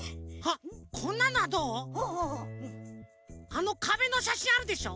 あのかべのしゃしんあるでしょ。